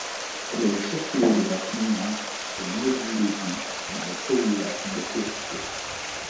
Elle est le chef-lieu de la gmina de Międzylesie, dans le powiat de Kłodzko.